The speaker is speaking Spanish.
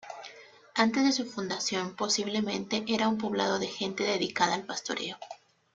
Antes de su fundación posiblemente era un poblado de gente dedicada al pastoreo.